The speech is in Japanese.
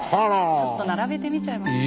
ちょっと並べてみちゃいました。